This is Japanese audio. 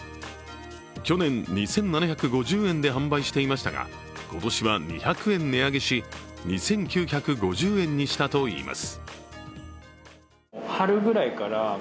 去年２７５０円で販売していましたが、今年は２００円値上げし、２９５０円にしたといいます。